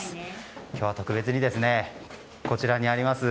今日は特別に、こちらにあります